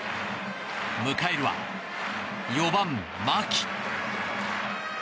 迎えるは４番、牧。